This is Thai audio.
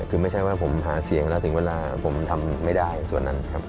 คือไม่ใช่ว่าผมหาเสียงแล้วถึงเวลาผมทำไม่ได้ส่วนนั้นครับ